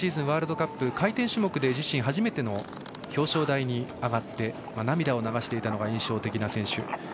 ワールドカップ回転種目で自身初めての表彰台に上がって涙を流していたのが印象的な選手。